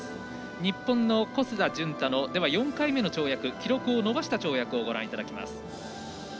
日本の小須田潤太の４回目の跳躍記録を伸ばした跳躍をご覧いただきます。